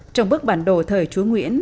trong bức bản đồ thời chú nguyễn